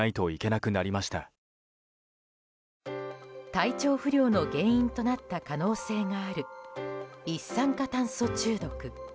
体調不良の原因となった可能性がある一酸化炭素中毒。